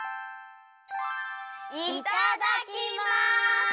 いただきます！